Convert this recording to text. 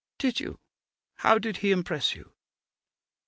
'Did you? How did he impress you?